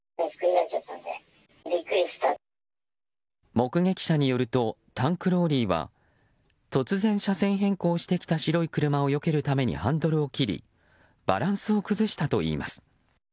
目撃者によるとタンクローリーは突然、車線変更してきた白い車をよけるためにハンドルを切りバランスを崩したといいます。